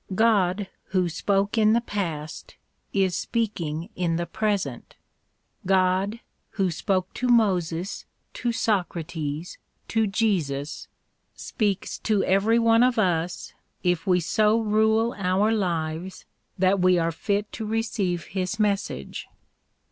God, who spoke in the past, is speaking in the present; God, who spoke to Moses, to Socrates, to Jesus, speaks to every one of us if we so rule our lives that we are fit to 158 EMERSON'S WRITINGS receive His message.